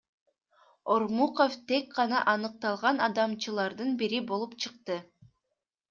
Ормуков тек гана аныкталган алдамчылардын бири болуп чыкты.